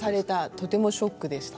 とてもショックでした。